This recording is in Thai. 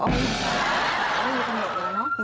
ไม่มีขนาดนี้เนอะ